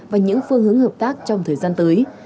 và những phương hướng hợp tác trong thời gian tới